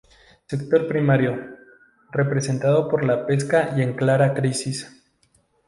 El sector primario, representado por la pesca y en clara crisis.